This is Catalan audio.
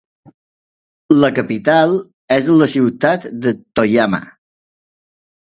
La capital és la ciutat de Toyama.